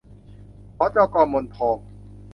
หจก.มนทอง